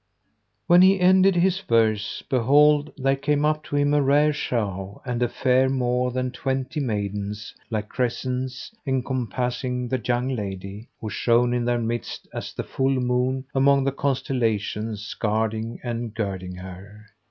When he ended his verse behold, there came up to him a rare show and a fair, more than twenty maidens like crescents encompassing the young lady, who shone in their midst as the full moon among the constellations guarding and girding her.